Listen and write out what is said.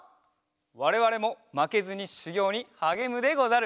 われわれもまけずにしゅぎょうにはげむでござる。